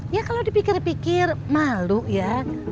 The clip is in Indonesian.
ya kalau dipikir pikir malu ya